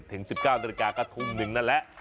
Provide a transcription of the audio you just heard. ถึง๑๙นกระทุ่มหนึ่งนั่นแหละ